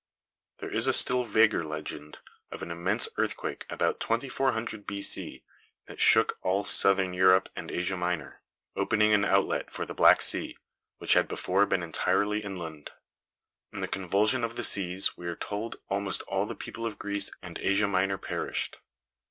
There is a still vaguer legend of an immense earthquake about 2400 B. C., that shook all Southern Europe, and Asia Minor, opening an outlet for the Black Sea, which had before been entirely inland. In the convulsion of the seas, we are told almost all the people of Greece and Asia Minor perished.